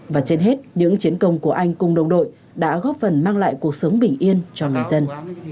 và trên hết những chiến công của anh cùng đồng đội đã góp phần mang lại cuộc sống bình yên cho người dân